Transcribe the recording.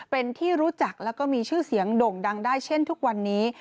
เป็นที่รู้จักแล้วก็มีชื่อเสียงโด่งดังได้เช่นทุกวันนี้